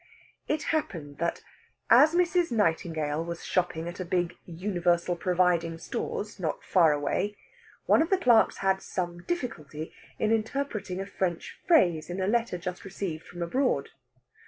It happened that, as Mrs. Nightingale was shopping at a big "universal providing" stores not far away, one of the clerks had some difficulty in interpreting a French phrase in a letter just received from abroad.